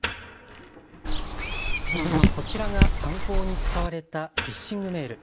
こちらが犯行に使われたフィッシングメール。